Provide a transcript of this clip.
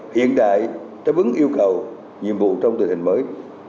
hiện đại đã vững yêu cầu nhiệm vụ trong tình hình mới